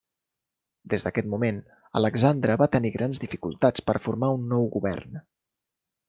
Des d'aquest moment, Alexandre va tenir grans dificultats per formar un nou govern.